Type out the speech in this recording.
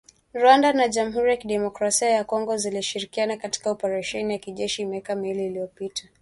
Rwanda na Jamhuri ya kidemokrasia ya Kongo zilishirikiana katika oparesheni ya kijeshi miaka miwili iliyopita.